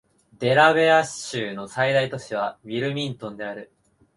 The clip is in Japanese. デラウェア州の最大都市はウィルミントンである